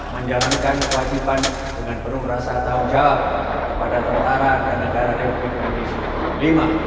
empat menjalankan kewajiban dengan berumrah saat tahu jawab kepada tentara dan negara negeri indonesia